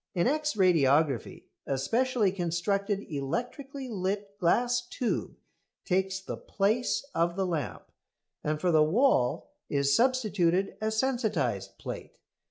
In X radiography a specially constructed electrically lit glass tube takes the place of the lamp, and for the wall is substituted a sensitised plate.